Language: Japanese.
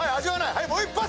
はいもう一発！